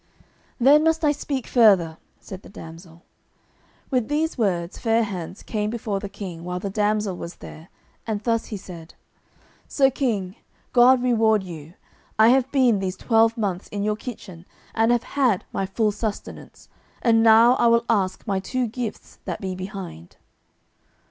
"Then must I speak further," said the damsel. With these words Fair hands came before the King, while the damsel was there, and thus he said: "Sir King, God reward you, I have been these twelve months in your kitchen, and have had my full sustenance, and now I will ask my two gifts that be behind."